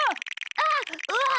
あっうわっ！